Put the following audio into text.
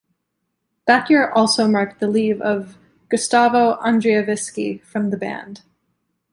That year also marked the leave of Gustavo Andriewiski from the band.